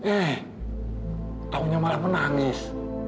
eh taunya malam menangis